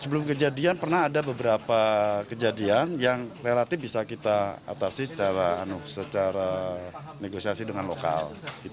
sebelum kejadian pernah ada beberapa kejadian yang relatif bisa kita atasi secara negosiasi dengan lokal